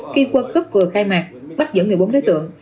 khi quân cướp vừa khai mạc bắt giữ một mươi bốn đối tượng